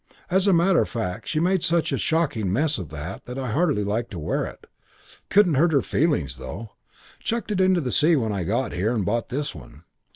As a matter of fact she made such a shocking mess of the hat that I hardly liked to wear it. Couldn't hurt her feelings, though. Chucked it into the sea when I got here and bought this one.